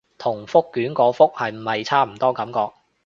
同覆卷個覆係咪差唔多感覺